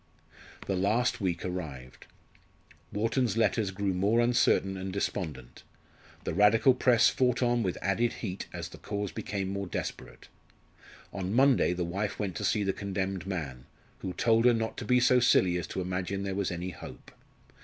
The last week arrived. Wharton's letters grew more uncertain and despondent; the Radical press fought on with added heat as the cause became more desperate. On Monday the wife went to see the condemned man, who told her not to be so silly as to imagine there was any hope.